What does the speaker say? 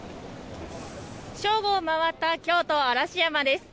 正午を回った京都・嵐山です。